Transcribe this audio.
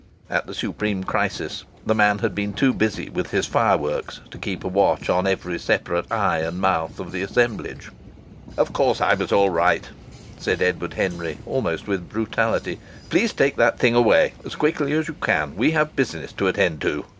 At the supreme crisis the man had been too busy with his fireworks to keep a watch on every separate eye and mouth of the assemblage. "Of course I was all right!" said Edward Henry, almost with brutality. "Please take that thing away, as quickly as you can. We have business to attend to."